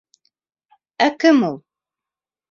Ә кем ул?